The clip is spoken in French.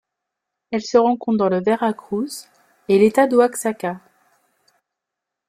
Elle se rencontre dans le Veracruz et l'État d'Oaxaca.